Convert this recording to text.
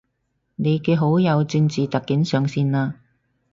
你嘅好友正字特警上線喇